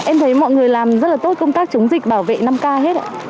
em thấy mọi người làm rất là tốt công tác chống dịch bảo vệ năm k hết ạ